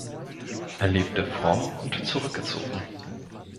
Er lebte fromm und zurückgezogen.